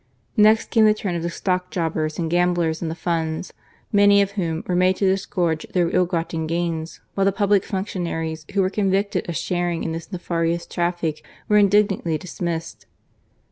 Next came the turn of the stock jobbers and gamblers in the funds, many of whom were made to disgorge their ill gotten gains, while the public func tionaries who were convicted of sharing in this nefarious traffic were indignantly dismissed.